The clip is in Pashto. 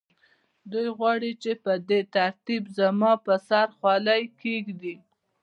دوی غواړي چې په دې ترتیب زما پر سر خولۍ کېږدي